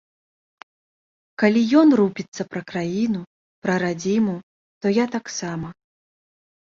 Калі ён рупіцца пра краіну, пра радзіму, то я таксама.